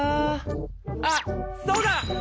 あっそうだ！